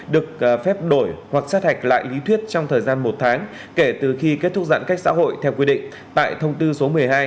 được phép đổi hoặc sát hạch lại lý thuyết trong thời gian một tháng kể từ khi kết thúc giãn cách xã hội theo quy định tại thông tư số một mươi hai